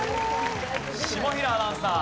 下平アナウンサー。